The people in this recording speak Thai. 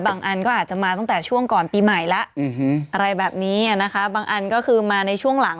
บางอันก็อาจจะมาตั้งแต่ช่วงก่อนปีใหม่และบางอันก็คือมาในช่วงหลัง